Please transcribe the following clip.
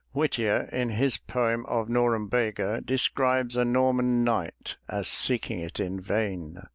Whittier in his poem of "Norumbega" describes a Norman knight as seeking it in vain.